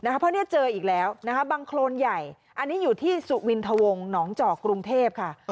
เพราะนี่เจออีกแล้วบังโครนใหญ่อันนี้อยู่ที่สุวินทวงหนองจอกกรุงเทพค่ะ